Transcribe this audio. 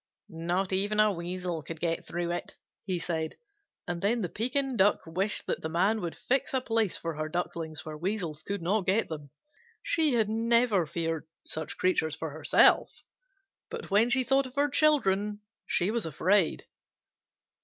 "Not even a Weasel could get through it," he said. And then the Pekin Duck wished that the Man would fix a place for her Ducklings where Weasels could not get them. She had never feared such creatures for herself, but when she thought of her children she was afraid.